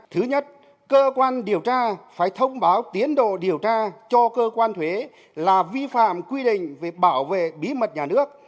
thứ nhất cơ quan điều tra phải thông báo tiến độ điều tra cho cơ quan thuế là vi phạm quy định về bảo vệ bí mật nhà nước